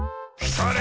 それ！